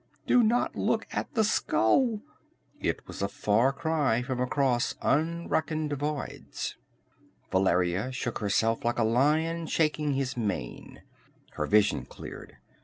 Do not look at the skull!" It was a far cry from across unreckoned voids. Valeria shook herself like a lion shaking his mane. Her vision cleared.